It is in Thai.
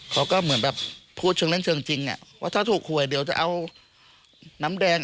เขาก็เหมือนแบบพูดเชิงเล่นเชิงจริงว่าถ้าถูกหวยเดี๋ยวจะเอาน้ำแดง